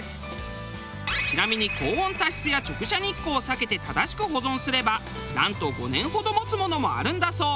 ちなみに高温多湿や直射日光を避けて正しく保存すればなんと５年ほど持つものもあるんだそう。